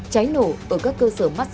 cháy nổ ở các cơ sở massage